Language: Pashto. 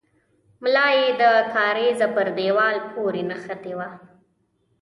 ملا يې د کارېزه پر دېوال پورې نښتې وه.